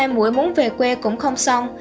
hai mũi muốn về quê cũng không xong